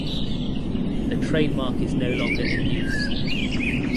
The trademark is no longer in use.